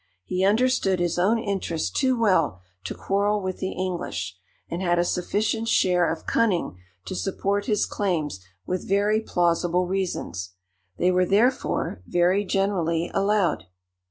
He understood his own interest too well to quarrel with the English, and had a sufficient share of cunning to support his claims with very plausible reasons. They were, therefore, very generally allowed.